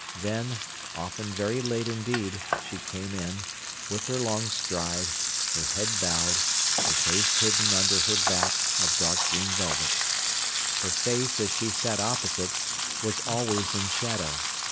Then, often very late indeed, she came in, with her long stride, her head bowed, her face hidden under her hat of dark green velvet. Her face, as she sat opposite, was always in shadow.